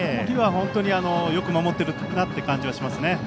本当によく守っているなという感じはしますね。